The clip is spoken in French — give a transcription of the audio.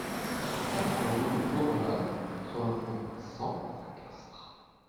quatre rue de Gourjade, quatre-vingt-un, cent à Castres